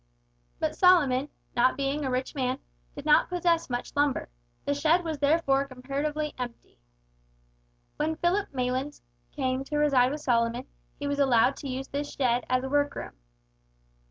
But Solomon, not being a rich man, did not possess much lumber. The shed was therefore comparatively empty. When Philip Maylands came to reside with Solomon, he was allowed to use this shed as a workroom.